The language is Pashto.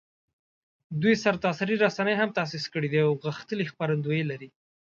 دوی سرتاسري رسنۍ هم تاسیس کړي دي او غښتلي خپرندویې لري